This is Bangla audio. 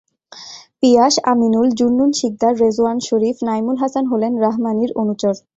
পিয়াস, আমিনুল, জুন্নুন শিকদার, রেজোয়ান শরীফ, নাঈমুল হাসান হলেন রাহমানীর অনুচর।